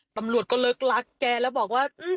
ตำรวจก็เลิกรักแกแล้วบอกว่า